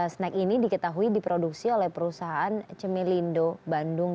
snack ini diketahui diproduksi oleh perusahaan cemilindo bandung